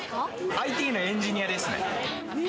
ＩＴのエンジニアですね。